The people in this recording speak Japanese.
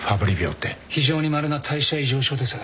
非常にまれな代謝異常症です。